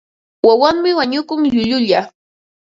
Wawanmi wañukun llullulla.